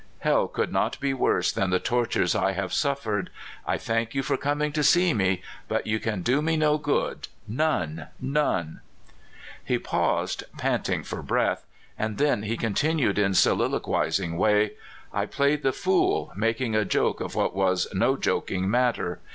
Hell could not be worse than the tor tures I have suffered! I thank you for coming to see me, but you can do me no good — none, none I" He paused, panting for breath; and then he con tinued in soliloquizing way: '' I played the fool, making a joke of what was no joking matter.